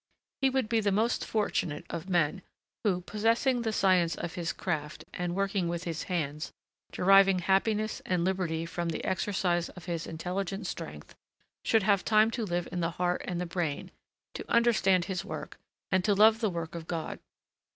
He would be the most fortunate of men who, possessing the science of his craft and working with his hands, deriving happiness and liberty from the exercise of his intelligent strength, should have time to live in the heart and the brain, to understand his work, and to love the work of God.